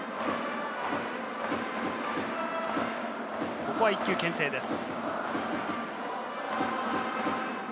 ここは１球けん制です。